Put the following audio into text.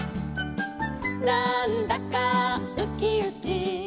「なんだかウキウキ」